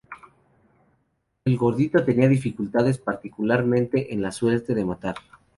El Gordito tenía dificultades particularmente en la suerte de matar.